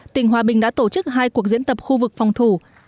tỉnh hòa bình đã tổ chức hai cuộc diễn tập khu vực phòng thủ